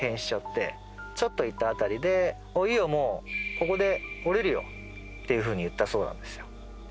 ちょっと行った辺りで「いいよもう」ていうふうに言ったそうなんですよ。